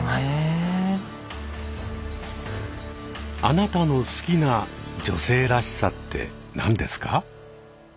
あなたの好きな女性らしさって何ですか？